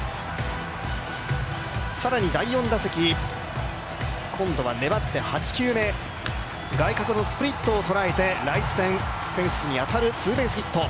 更に第４打席、今度は粘って８球目、外角のスプリットを捉えてライト線、フェンスに当たるツーベースヒット。